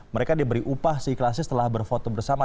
mereka diberi upah si ikhlasi setelah berfoto bersama